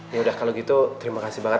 yaudah kalau gitu terima kasih banget